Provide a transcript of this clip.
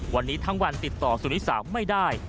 วันนี้ทั้งวันติดต่อสุนิสาไม่ได้